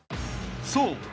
［そう。